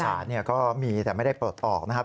ที่ธรรมศาสตร์ก็มีแต่ไม่ได้ปลดออกนะครับ